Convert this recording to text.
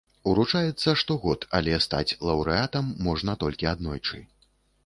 Уручаецца штогод, але стаць лаўрэатам можна толькі аднойчы.